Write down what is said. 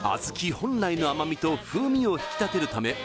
本来の甘みと風味を引き立てるため